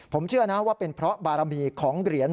ผมเชื่อนะว่าเป็นเพราะบารมีของเหรียญ